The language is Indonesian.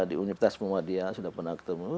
di universitas muhammadiyah sudah pernah ketemu